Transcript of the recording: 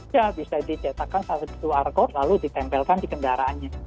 ya bisa dicetakkan satu arkop lalu ditempelkan di kendaraannya